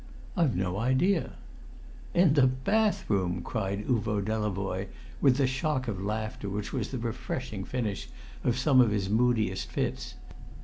"I've no idea." "In the bathroom!" cried Uvo Delavoye, with the shock of laughter which was the refreshing finish of some of his moodiest fits.